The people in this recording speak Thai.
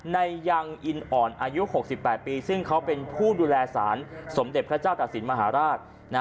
ยังอินอ่อนอายุ๖๘ปีซึ่งเขาเป็นผู้ดูแลสารสมเด็จพระเจ้าตสินมหาราช